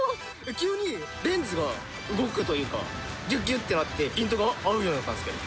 急にレンズが動くというか、ぎゅっぎゅってなって、ピントが合うようになったんですけど。